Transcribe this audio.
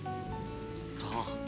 さあ。